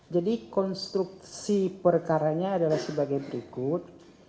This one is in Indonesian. jadi konstruksi perkaranya adalah sebagai berikut